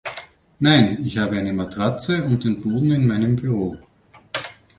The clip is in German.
Nein, ich habe eine Matratze und den Boden in meinem Büro.